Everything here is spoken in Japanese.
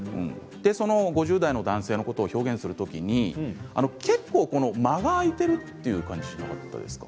５０代の男性のことを表現するときに結構、間が空いている感じはしませんでしたか？